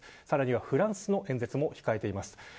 さらにはフランスの演説も控えています。